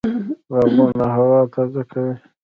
باغونه هوا تازه کوي